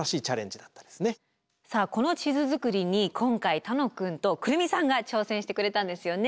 さあこの地図作りに今回楽くんと来美さんが挑戦してくれたんですよね。